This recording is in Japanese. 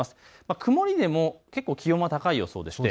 曇りでも結構、気温は高い予想です。